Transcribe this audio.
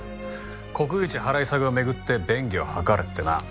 国有地払い下げを巡って便宜を図れってな。